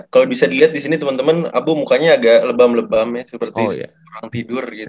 kalau bisa dilihat di sini teman teman abu mukanya agak lebam lebam ya seperti orang tidur gitu